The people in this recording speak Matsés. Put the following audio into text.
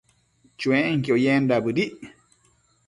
Chuenquio yendac bëdic